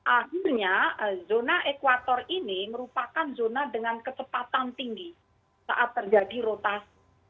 akhirnya zona ekwator ini merupakan zona dengan kecepatan tinggi saat terjadi rotasi